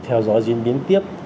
theo dõi diễn biến tiếp